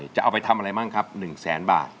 จะเอาไปทำอะไรบ้างครับ๑แสนบาท